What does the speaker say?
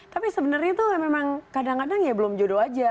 tapi sebenarnya itu memang kadang kadang ya belum jodoh aja